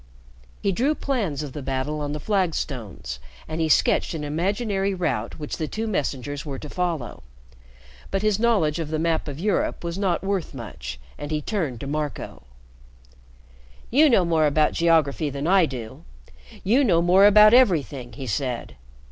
He drew plans of the battle on the flagstones, and he sketched an imaginary route which the two messengers were to follow. But his knowledge of the map of Europe was not worth much, and he turned to Marco. "You know more about geography that I do. You know more about everything," he said.